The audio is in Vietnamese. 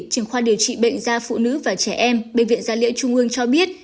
trường khoa điều trị bệnh gia phụ nữ và trẻ em bệnh viện gia liễu trung ương cho biết